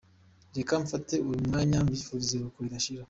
Reka mfate uyu mwanya, mwifurize iruhuko ridashira.